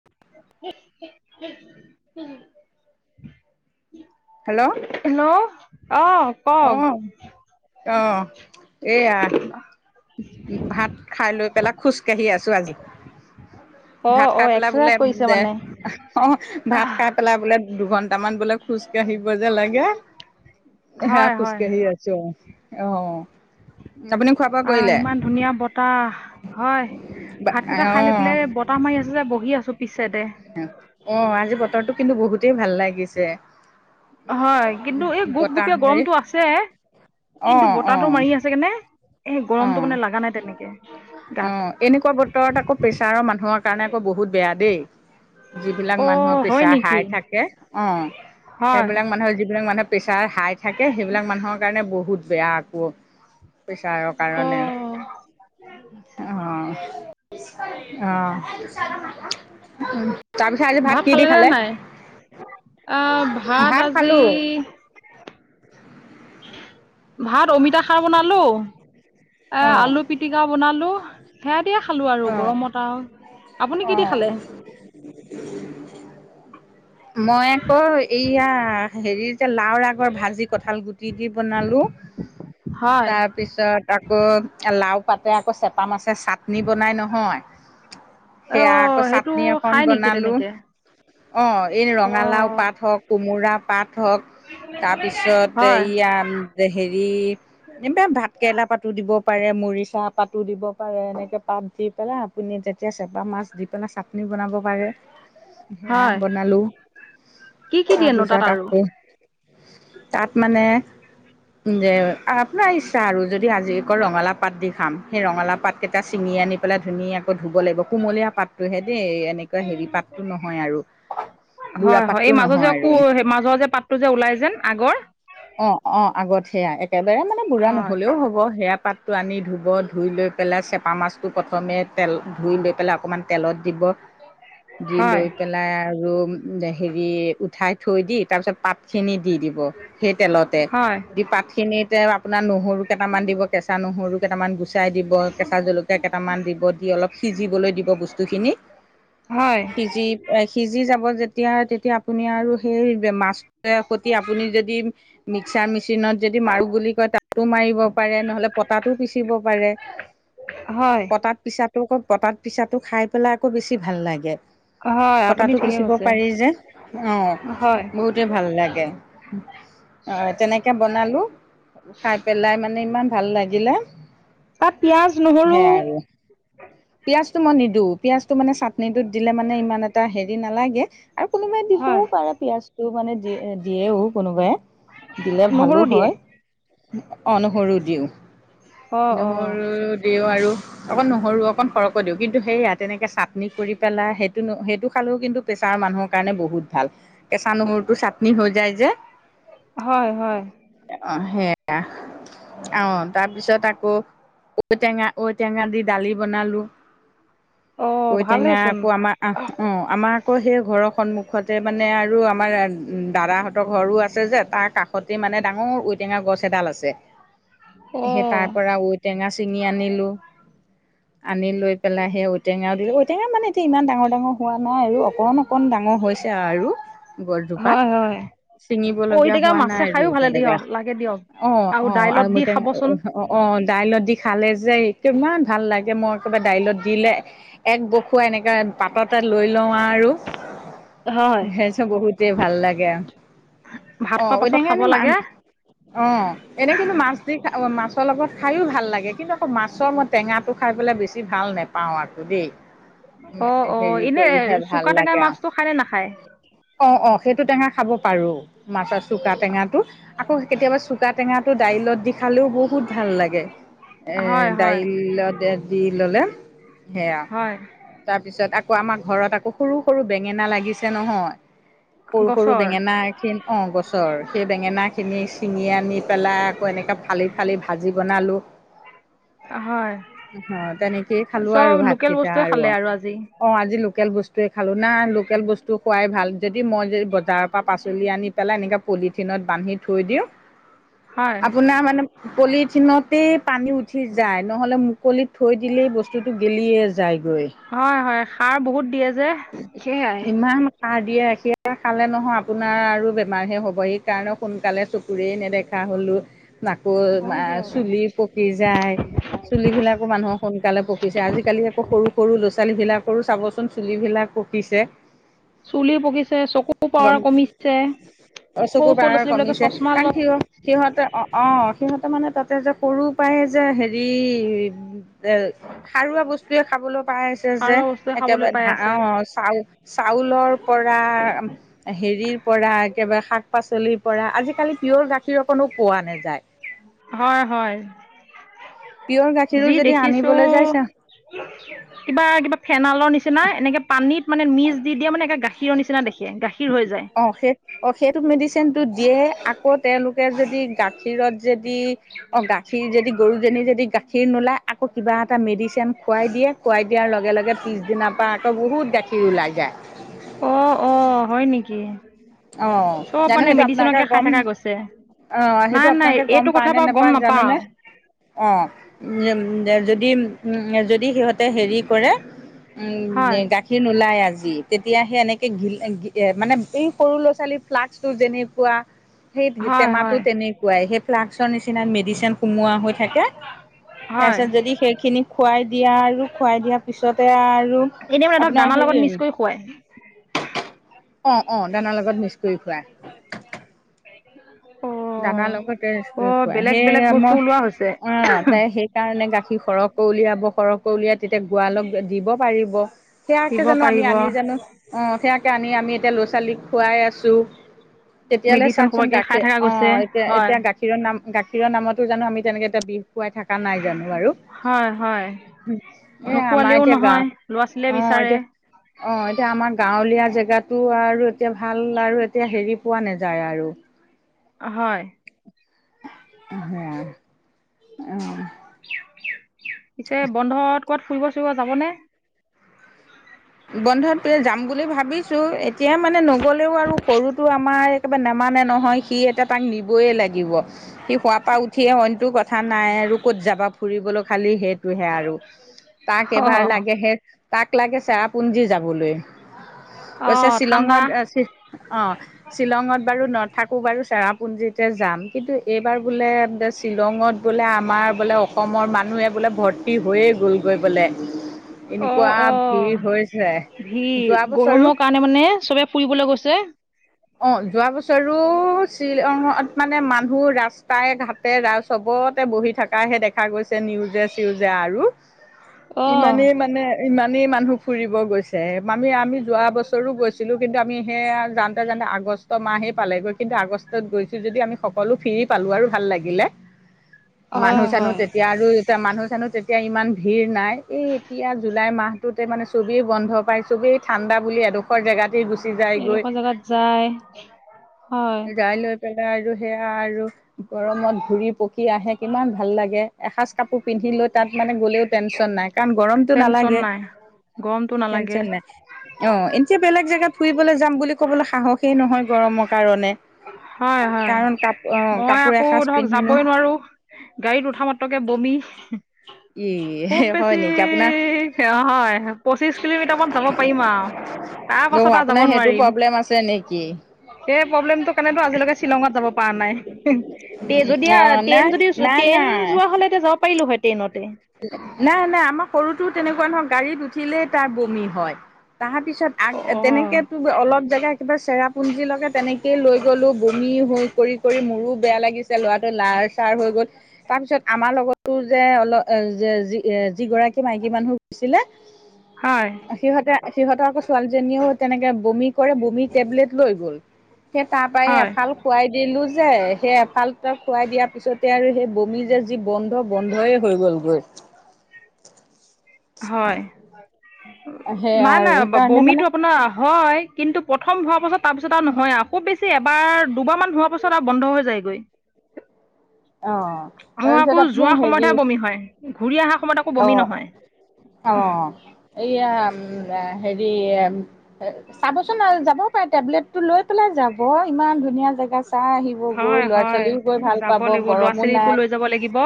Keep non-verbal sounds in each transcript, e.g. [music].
[unintelligible] Hello? Hello, অ। কওক অ, অহ এয়া ভাত খাই লৈ পেলাই খোজকাঢ়ি আছো আজি। অ ভাত অ খাই পেলাই এক্সাৰচাইজ বোলে কৰিছে দে মানে অ ভাত খাই পেলাই বোলে দুঘন্টা মান বোলে খোজকাঢ়িব যে লাগে। সেয়া হয় হয় খোজকাঢ়ি আছো। অ- অ। আপুনি খোৱা বোৱা অ, কৰিলে ইমান ধুনীয়া বতাহ হয়। ভাতকেইটা খাই অ লৈ পেলাই এই বতাহ মাৰি আছে যে বহি আছো পিছ চাইডে। অ, আজি বতৰটো কিন্তু বহুতেই ভাল লাগিছে। হয়। কিন্তু এই বতাহ গোপ-গোপীয়া মাৰি গৰমটো আছে, অ কিন্তু অ বতাহটো মাৰি আছে। কাৰণে এ অ গৰমটো মানে লাগা নাই তেনেকে। অ, গাত এনেকুৱা বতৰত আকৌ প্ৰেছাৰৰ মানুহৰ কাৰণে আকৌ বহুত বেয়া দেই। যিবিলাক অ মানুহৰ হয় প্ৰেছাৰ নেকি হাই থাকে, অ হয় সেইবিলাক মানুহৰ যিবিলাক মানুহে প্ৰেছাৰ হাই থাকে সেইবিলাক মানুহৰ কাৰণে বহুত বেয়া আকৌ প্ৰেছাৰৰ অ কাৰণে। অ। অ, তাৰপিছত আজি ভাত কি দি খালে? [inaudible] অ ভাত আজি ভাত অমিতা খাৰ বনালো, আ অ', আলু পিটিকাও বনালো। সেয়া দিয়ে খালো আৰু অ', গৰমত আৰু আপুনি কি দি অ', খালে? মই আকৌ এইয়া হেৰিৰ লাওৰ আগৰ ভাজি কঠাল গুটি দি বনালো, হয়। তাৰ পিছত আকৌ লাও পাতে আকৌ চেপা মাছে চাটনি বনাই নহয় সেয়া আকৌ অ' সেইটো চাটনি এখন খাই নেকি বনালো। তেনেকে? অ এই ৰঙালাও অ' পাত হওক, কোমোৰা পাত হওক তাৰপিছত হয়, এইয়ান হেৰি এনেবা ভাতকৰেলা পাতো দিব পাৰে, মৰিচা পাতো দিব পাৰে। এনেকে পাত দি পেলাই আপুনি যেতিয়া চেপা মাছ দি পেলাই চাটনি বনাব পাৰে। সেয়া হয়। বনালো কি কি দিয়েনো তাত তাৰপিছত আৰু? আকৌ তাত মানে যে আপ আপোনাৰ ইচ্ছা আৰু যদি আজি অকল ৰঙালাউ পাত দি খাম সেই ৰঙালাউ পাতকেইটা ছিঙি আনি পেলাই ধুনীয়া কৈ ধুব লাগিব কুমলীয়া পাতটোহে দেই, এনেকুৱা হেৰি পাতটো নহয় আৰু। বুঢ়া হয়, হয়। পাতটো এই মাজৰ যে নহয় আকৌ আৰু। মাজৰ যে পাতটো যে ওলাই যেন আগৰ। অ-অ আগত সেয়া। একেবাৰে মানে বুঢ়া হয়। নহ'লেও হ'ব। সেয়া পাতটো আনি ধুব, ধুই লৈ পেলাই চেপা মাছটো প্ৰথমে তেল ধুই লৈ পেলাই অকমান তেলত দিব, দি হয়, লৈ পেল পেলাই আৰু হেৰি উঠাই থৈ দি তাৰপিছত পাতখিনি দি দিব। সেই তেলতে, হয়, দি পাত খিনিতে আপোনাৰ নহৰু কেইটামান দিব কেঁচা নহৰু কেইটামান গুচাই দিব, কেঁচা জলকীয়া কেইটামান দিব, দি অলপ সিজিবলৈ দিব বস্তুখিনি। হয়। এই সিজি যাব যেতিয়া তেতিয়া আপুনি আৰু সেই মাছ সতি আপুনি যদি মিক্সাৰ মেচিনত যদি মাৰো বুলি কয় তাতো মাৰিব পাৰে, নহ'লে পটাটো পিচিব পাৰে। [inaudible] হয়। পটাত পিছাটো আকৌ পটাত পিছাটো খাই পেলাই আকৌ বেছি ভাল লাগে। হয় আপুনি পটাটো ঠিকে পিচিব কৈছে। পাৰি যে, অ হয়, বহুতে ভাল লাগে। উম। অ তেনেকে বনালো খাই পেলাই মানে ইমান ভাল লাগিলে। তাত পিয়াজ, সে নহৰু আৰু পিয়াজটো মই নিদো। পিয়াজটো মানে চাটনিটোত দিলে মানে ইমান এটা হেৰি নালাগে আৰু কোনোবাই হয়, দিবও পাৰে পিয়াজ। টো মানে দি দিয়েও কোনোবাই। দিলে ভালো নহৰু দিয়ে। হয় অ নহৰু দিওঁ অ', অ', নহৰু। দিওঁ আৰু। অকণ নহৰু অকণ সৰহকৈ দিওঁ কিন্তু সেইয়া তেনেকে চাটনি কৰি পেলাই সেইটো সেইটো খালেও কিন্তু। প্ৰেছাৰ মানুহৰ কাৰণে বহুত ভাল কেঁচা নহৰুটো চাটনি হৈ যায় যে। হয় হয় অ সেইয়া আহ তাৰপিছত আকৌ ঔটেঙা ঔটেঙা দি দালি বনালো। অ' ঔটেঙা ভালেইচোন। আকৌ আমাৰ আহ অ আমাক কৌ সেই ঘৰৰ সন্মুখতে মানে আৰু আমাৰ দাদাহঁতৰ ঘৰো আছে যে তাৰ কাষতে মানে ডাঙৰ ঔটেঙা গছ এডাল আছে সেই তাৰ পৰা টেঙা চিঙি আনিলোঁ আনি লৈ পেলাই সেই ঔটেঙাও দিলে ঔ টেঙা মানে এতিয়া ইমান ডাঙৰ ডাঙৰ হোৱা নাই আৰু অকণ অকণ ডাঙৰ হৈছে আৰু গছজোপাত হয় হয়, ছিঙি বলে ঔটেঙা হোৱা মাছে নাই খায়ো আৰু ভালে তেনেকা দিয়ক লাগে দিয়ক। অ অ আৰু দাইলত দি মই টেঙা খাবচোন। অ অ দাইলত দি খালে যে কিমান ভাল লাগে মই একেবাৰে দাইলত দিলে। এক বসুৱাই এনেকা পাতত তাত লৈ লওঁ আৰু হয়। সেই চ বহুতেই ভাল লাগে। ভাত অ খোৱাৰ পাছত ঔটেঙা খাব এনেই মা লাগে। অ এনে কিন্তু মাছ দি মাছৰ লগত খায়ো ভাল লাগে কিন্তু আকৌ মাছৰ মত টেঙাটো খাই পেলাই বেছি ভাল নোপাওঁ আৰু দেই। অ' অ' হেৰি এনে কৰিহে ভাল চুকা টেঙাৰ লাগে মাছটো খায় নে নাখায়? আও অ অ সেইটো টেঙা খাব পাৰো মাছৰ চোকা টেঙাটো আকৌ কেতিয়াবা চুকা টেঙাটো দাইলত দি খালেও বহুত ভাল লাগে। এ হয় হয় দাইলত দি ললে সেয়া হয় তাৰপিছত আকৌ আমাৰ ঘৰত আকৌ সৰু সৰু বেঙেনা লাগিছে নহয়। সৰু সৰু গছৰ বেঙেনা অঁ গছৰ সেই বেঙেনাখিনি ছিঙি আনি পেলাই আকৌ এনেকা ফালি ফালি ভাজি বনালোঁ। হয়। অ তেনেকেই খালো আৰু চব লোকেল ভাতকেইটা বস্তুৱে আৰু খালে আজি। অ আজি লোকেল বস্তুৱে খালোঁ নাই লোকেল বস্তু খোৱাই ভাল যদি মই যদি বজাৰৰ পৰা পাচলি আনি এনেকা পলিথিনত বান্ধি থৈ দিওঁ হয় আপোনাৰ মানে পলিথিনতেই পানী উঠি যায় নহ'লে মুকলিত থৈ দিলেই বস্তুটো গেলিয়ে যায়গৈ। হয় হয় সাৰ বহুত দিয়ে যে সেয়াই। ইমান সাৰ দিয়ে ৰাখি খালে নহয় আপোনাৰ আৰু বেমাৰহে হ'ব সেইকাৰণে সোনকালে চকুৰেই নেদেখা হ'লোঁ। নাকৌ হয় দিয়ক। চুলি পকি যায়। চুলিবিলাকো মানুহৰ সোনকালে পকিছে আজিকালি আকৌ সৰু সৰু ল'ৰা ছোৱালী বিলাকৰো চাবচোন চুলিবিলাক পকিছে। চুলি পকিছে চকু গম পাৱাৰ কমি অ চকুৰ পাৱাৰ কমিছে চশমা কাৰণ লয়। সিহ সিহঁতে অ অ সিহঁতে মানে তাতে যে সৰু পৰাই যে হেৰি এ সাৰুৱা বস্তুৱে খাবলৈ পাইছে যে সাৰুৱা বস্তুৱে খাবলৈ একেবাৰে পাই ধা অ আছে চাউ চাউলৰ পৰা হেৰি পৰা একেবাৰে শাক-পাচলিৰ পৰা আজিকালি প্ৰিয়ৰ গাখীৰ অকণো পোৱা নেযায়। হয় হয় পিয়ৰ গাখীৰো যি যদি দেখিছো আনিবলৈ যাই ছা কিবা কিবা ফেনলৰ নিচিনা এনেকে, পানীত মানে মিজ দি দিয়া মানে নে গাখীৰৰ নিচিনা দেখে গাখীৰ হৈ যায়। অ সেই অ সেইটো মেডিচিন টো দিয়ে আকৌ তেওঁলোকে যদি গাখীৰ, গাখীৰত যদি অ গাখীৰ যদি গৰুজনী যদি গাখীৰ নোলায়। আকৌ কিবা এটা মেডিচেন খুৱাই দিয়ে, খুৱাই দিয়াৰ লগে লগে পিছদিনাৰ পৰা আকৌ বহুত গা ওলাই যায়। অ অ হয় নেকি? অ, চব জানো মানে সেইটো আপোনাকে মেডিচিনকে খাই গম থকা গৈছে অ সেইটো নাই নাই আপোনালোকে গম এইটো পায় কথা নে বাৰু গম নেপায় নাপাওঁ জানোনে? অ উম এম এম যদি উম যদি সিহঁত হেৰি কৰে উম হয় গা খীৰ নোলায় আজি তেতিয়া সেই এনেকে ঘিল ঘি মানে এই সৰু লৰা-ছোৱালী ফ্লাক্সটো যেনেকুৱা সেই হয় টেমাটো হয় তেনে কুৱাই, সেই ফ্লাক্সৰ নিচিনা মেডিচিন সোমোৱা হৈ থাকে। তাৰ হয় পিছত যদি সেইখিনি খুৱাই দিয়া আৰু খুৱাই দিয়া পিছতে আৰু এনেও এতক আপোনাৰ দানা লগত হেৰি মিছ কৰি খুৱাই। অ অ দানাৰ লগত মিক্স কৰি খুৱাই। অ দানাৰ লগত মিজ অ কৰি খুৱাই, বেলেগ সেই বেলেগ বস্তু আমই ওলোৱা হৈছে অ তাই সেই সেই কাৰণে গাখীৰ সৰহকৈ উলিয়াব, সৰহকৈ উলিয়াই তেতিয়া গোৱালক দিব পাৰিব। সেয়াকে দিব জানো আমি পাৰিব আনি জানো অ সেয়াকে আনি আমি এতিয়া ল'ৰা - ছোৱালীক খোৱাই আছো, তেতিয়ালে মেডিচিন চাওকচোন খোৱাকে খাই গাখীৰ থকা অ গৈছে এতিয়া হয় এতিয়া গাখীৰৰ নাম গাখীৰৰ নামতো জানো আমি তেনেকে এতিয়া বিহ খুৱাই থাকা নাই জানো আৰু হয় হয় হু, এ আমাৰ নোখোৱালেও এতিয়া গাও নহয় ল'ৰা ছোৱালীয়ে অ বিচাৰে এতিয়া অ এতিয়া আমাৰ গাঁৱলীয়া জেগাতো আৰু এতিয়া ভাল আৰু এতিয়া হেৰি পোৱা নেযায় আৰু হয়। হেয়া অ। পিছে বন্ধত ক'ত ফুৰিব চুৰিব যাবনে? বন্ধত যাম বুলি ভাবিছো এতিয়া মানে নগলেও আৰু সৰুটো আমাৰ একেবাৰে নেমানে নহয়, সি এতিয়া তাক নিবয়ে লাগিব। সি শুৱা পা উঠিয়ে অইনটো কথা নাই আৰু ক'ত যাবা ফুৰিবলৈ খালি সেইটোহে আৰু তাক এবাৰ অ' লাগে সে তাক লাগে চেৰাপুঞ্জী যাবলৈ। কৈছে অ' ঠাণ্ডা শ্বিলঙত অ শ্বি অ। শ্বিলঙত বাৰু নথাকো বাৰু চেৰাপুঞ্জিতে যাম কিন্তু এইবাৰ বোলে বেছ শ্বিলঙত বোলে আমাৰ বোলে অসমৰ মানুহে বোলে ভৰ তি হৈয়ে গ'ল গৈ বোলে অ' এনেকুৱা অ' ভিৰ হয়। ভিৰ গৰমৰ কাৰণে মানে চবে ফুৰিবলৈ গৈছে। অ যোৱা বছৰো শ্বিলঙত মানে মানুহ ৰাস ৰাস্তাই ঘাতে আও চবতে বহি থাকাহে দেখা গৈছে নিউজ, জে চিউজে আৰু ইমানেই অ' মানে ইমানেই মানুহ ফুৰিব গৈছে। তে মানে আমি যোৱা বছৰো গৈছিলো কিন্তু আমি সেয়া জানতে জানতে আগ আগষ্ট মাহেই পালেগৈ কিন্তু আগষ্টত গৈছো যদি আমি সকলো ফ্ৰী পালো আৰু ভাল লাগিলে। মানুহ হয় চানুহ হয় তেতিয়া আৰু য়া মানুহ চানুহ তেতিয়া ইমান ভিৰ নাই এই এতিয়া জুলাই মাহটোতে মানে চবেই বন্ধ পায় চবেই। ঠাণ্ডা বুলি এডোখৰ জোতেই গুছি, এনেকুৱা জেগাত যায়। হয় যাই লৈ পেলাই আৰু সেয়া আৰু গৰমত ঘুৰি পকি। কি আহে কিমান ভাল লাগে এসাঁজ কাপোৰ পিন্ধি লৈ তাত মানে গ'লেও টেনশন নাই কাৰণ গৰমটো টেনচন নালাগে। নাই গৰমটো নালাগে। টেনচন নাই অ এতিয়া বেলেগ জেগাত ফুৰিবলৈ যাম বুলি ক'বলৈ সাহসেই নহয় গৰমৰ কাৰণে। হয় হয়, কাৰণ কাপ অ মই কাপোৰ আকৌ এসাঁজ ধৰক পিন্ধিনো যাবই নোৱাৰো। গাড়ীত উঠা মাত্ৰকে বমি হিহ। ই খুব হয় বেছি নেকি আপোনাৰ সেৱা হয় পঁচিশ কিলোমিটাৰ মান যাব পাৰিম আৰু তাৰ অ পাছত আৰু যাব আপোনাৰ সেইটো নোৱাৰিম, প্ৰব্লেম আছে নেকি সেই প্ৰব্লেমটো কাৰণেতো আজিলৈকে শ্বিলংত যাব পৰা নাই হিহ, তে যদিওঁ অ আ নাই টেন যদিও নাই টেন নাই যোৱা হলে তেতিয়া যাব পাৰিলো হয় টেইনতে। নাই, নাই আমাৰ সৰুটো তেনেকুৱা নহয়, গাড়ীত উঠিলেই তাৰ বমি হয় তাৰ পিছত। আগ অ' তেনেকে তো অলপ জেগা, কিবা চেৰাপুঞ্জী লগকে তেনেকেইয় লৈ গলো বমি হৈ কৰি কৰি মোৰো বেয়া লাগিছে ল'ৰাটো লাষ্ট, ষ্টাৰ হৈ গ'ল, তাৰপিছত আমাৰ লগতো যে অলপ, যি এ যিগৰাকী মাইকী মানুহ গৈছিলে। হয় সিহঁতে সিহঁতৰ আকৌ ছোৱালীজনীও তেনেকে বমি। কৰে বমি টেবলেট লৈ গ'ল সেই তাৰপাই হয় এফাল, খুৱাই দিলোঁ যে, সেই এফাল এটা খুৱাই দিয়াৰ পিছতে আৰু সেই বমি যে যি বন্ধ বন্ধই হৈ গ'ল। [unintelligible] হয়। সেই নাই আৰু নাই সেইকাৰণে মানে বমিটো আপোনাৰ, হয়, কিন্তু প্ৰথম হোৱাৰ পাছত তাৰপিছত আৰু নহয় আও বেছি। এবাৰ দুবাৰমান হোৱাৰ পাছত আৰু বন্ধ হৈ যায়গৈ। অ'হ। মোৰ আকৌ যোৱাৰ সময়তহে বমি হয় ঘূৰি অহাৰ সময়ত আকৌ অ বমি নহয়। অ এয়া হেৰি, চাবচোন আৰু যাব পাৰে টেবলেট টো লৈ পেলাই যাব ইমান ধুনীয়া জেগা চাই আহিব। গৈ হয় ল'ৰা হয় ছোৱালীও গৈ ভাল যাব পাব। লাগিব ল'ৰা গৰমো ছোৱালীকো নাই লৈ যাব লাগিব।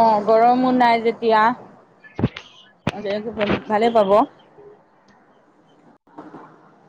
অ গৰমো নাই যেতিয়া ভালে পাব।